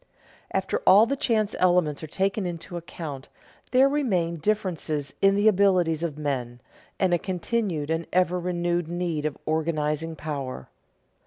_ After all the chance elements are taken into account, there remain differences in the abilities of men, and a continued and ever renewed need of organizing power.